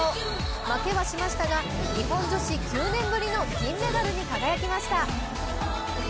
負けはしましたが、日本女子９年ぶりの銀メダルに輝きました。